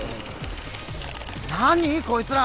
何こいつら！